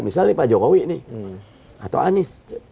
misalnya pak jokowi nih atau anies